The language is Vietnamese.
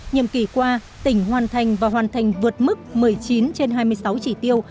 nhiệm kỳ qua tỉnh hoàn thành và hoàn thành vượt mức một mươi chín trên hai mươi sáu chỉ tiêu